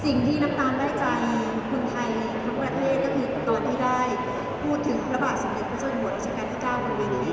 สิ่งที่นักตามได้ใจคลุมไทยทั้งประเภทก็คือโดยที่ได้พูดถึงระบะสมมุติผู้เชิญหัวรัชการที่๙วันเวลี